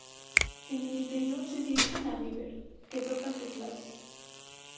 En el interior, se dirigen a Bieber, que toca el teclado.